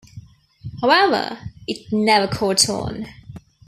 However, it never caught on.